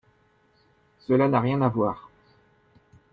Cela n’a rien à voir